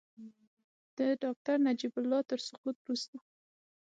د ډاکټر نجیب الله تر سقوط وروسته.